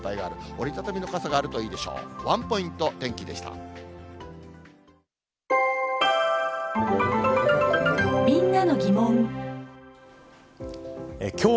折り畳みの傘があるといいでしょう。